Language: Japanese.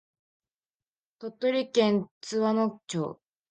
島根県津和野町